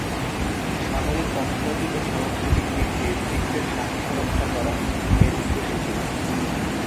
সামরিক, অর্থনৈতিক ও সাংস্কৃতিক দিক দিয়ে ব্রিটিশদের স্বার্থ রক্ষা করা এর উদ্দেশ্য ছিল।